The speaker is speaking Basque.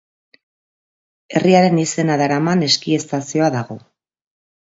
Herriaren izena daraman eski estazioa dago.